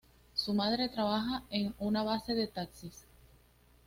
Su madre trabaja en una base de taxis.